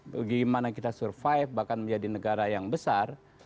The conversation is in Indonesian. bagaimana kita survive bahkan menjadi negara yang besar